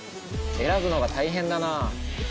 選ぶのが大変だなあ。